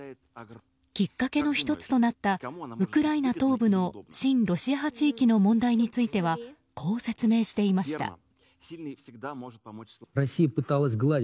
きっかけの１つとなったウクライナ東部の親ロシア派地域の問題についてはこう説明していました。